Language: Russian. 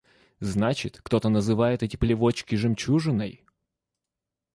Значит – кто-то называет эти плевочки жемчужиной?